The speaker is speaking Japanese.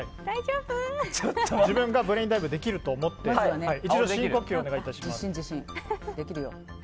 自分がブレインダイブできると思って一度、深呼吸をお願いします。